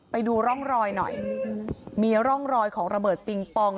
ไปดูร่องรอยหน่อยมีร่องรอยของระเบิดปิงปอง